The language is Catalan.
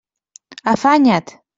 Afanya't!